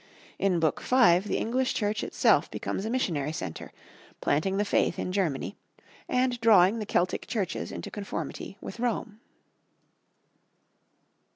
In Book V the English Church itself becomes a missionary centre, planting the faith in Germany, and drawing the Celtic Churches into conformity with Rome.